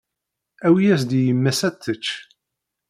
Awi-yas-d i yemma-s ad tečč.